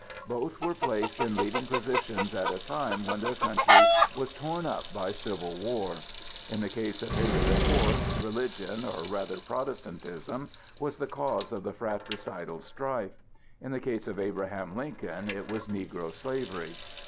Both were placed in leading positions at a time when their country was torn up by civil war. In the case of Henry the Fourth religion, or rather Protestantism, was the cause of the fratricidal strife; in the case of Abraham Lincoln it was negro slavery.